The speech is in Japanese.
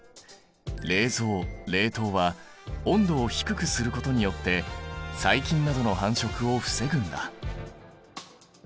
冷蔵・冷凍は温度を低くすることによって細菌などの繁殖を防ぐんだ。